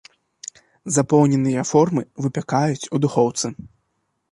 Запоўненыя формы выпякаюць у духоўцы.